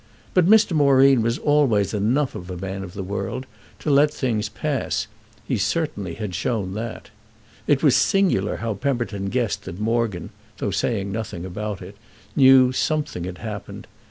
But Mr. Moreen was always enough a man of the world to let things pass—he had certainly shown that. It was singular how Pemberton guessed that Morgan, though saying nothing about it, knew something had happened.